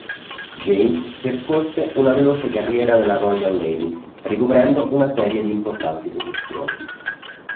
James percorse una veloce carriera nella Royal Navy, ricoprendo una serie di importanti posizioni.